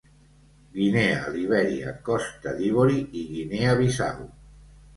Guinea, Libèria, Costa d'Ivori i Guinea Bissau.